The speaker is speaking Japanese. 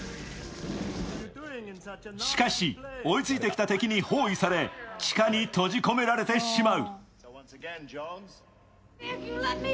しかし、追いついてきた敵に包囲され、地下に閉じ込められてしまう。